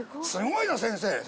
すごいな先生。